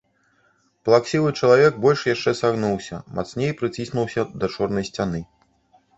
Плаксівы чалавек больш яшчэ сагнуўся, мацней прыціснуўся да чорнай сцяны.